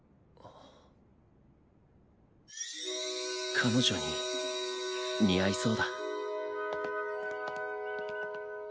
彼女に似合いそうだ。